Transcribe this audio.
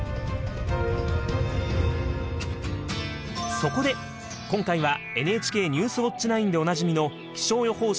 そこで今回はＮＨＫ「ニュースウオッチ９」でおなじみの気象予報士